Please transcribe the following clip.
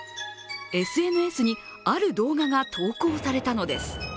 ＳＮＳにある動画が投稿されたのです